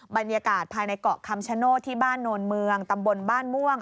บรรยากาศภายในเกาะคำชโนธที่บ้านโนนเมืองตำบลบ้านม่วง